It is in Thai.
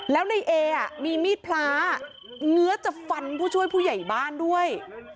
แล้วในเอมีมีดพระเงื้อจะฟันผู้ช่วยผู้ใหญ่บ้านด้วย